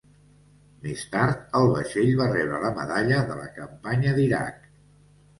Més tard, el vaixell va rebre la Medalla de la Campanya d'Iraq.